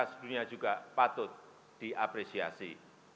sejujurnya juga patut diapresiasi